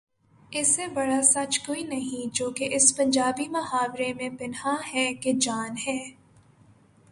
اس سے بڑا سچ کوئی نہیں جو کہ اس پنجابی محاورے میں پنہاں ہے کہ جان ہے۔